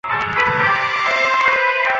小宫站八高线的铁路车站。